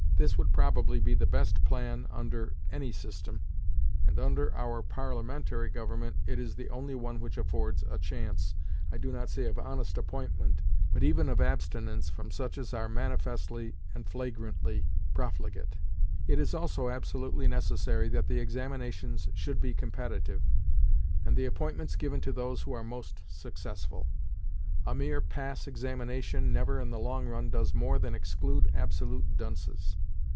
This would probably be the best plan under any system; and under our Parliamentary government it is the only one which affords a chance, I do not say of honest appointment, but even of abstinence from such as are manifestly and flagrantly profligate. It is also absolutely necessary that the examinations should be competitive, and the appointments given to those who are most successful. A mere pass examination never, in the long run, does more than exclude absolute dunces.